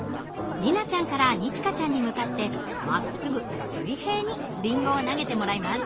里奈ちゃんから二千翔ちゃんに向かってまっすぐ水平にリンゴを投げてもらいます。